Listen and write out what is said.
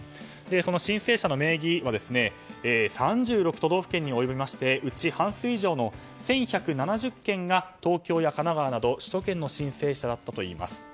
その申請者の名義は３６都道府県に及びましてうち半数以上の１１７０件が東京や神奈川など首都圏の申請者だったといいます。